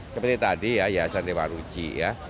seperti tadi ya saya dewa ruchi